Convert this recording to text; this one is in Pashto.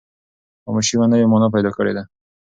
خاموشي یوه نوې مانا پیدا کړې ده.